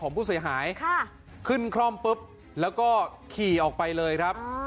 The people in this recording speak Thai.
ผู้เสียหายค่ะขึ้นคล่อมปุ๊บแล้วก็ขี่ออกไปเลยครับ